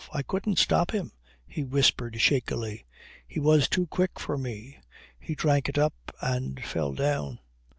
"I couldn't stop him," he whispered shakily. "He was too quick for me. He drank it up and fell down."